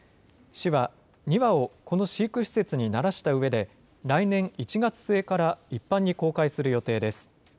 市は２羽をこの飼育施設に慣らしたうえで、来年１月末から一般に公開する予定です。